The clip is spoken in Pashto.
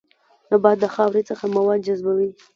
نبات د خاورې څخه مواد جذبوي